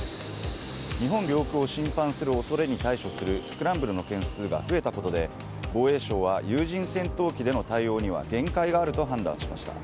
日本領空を侵犯する恐れに対処するスクランブルの件数が増えたことで防衛省は有人戦闘機での対応には限界があると判断しました。